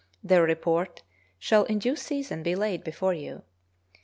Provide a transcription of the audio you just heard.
Their report shall in due season be laid before you.